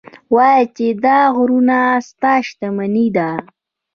ووایه چې دا غرونه ستا شتمني ده.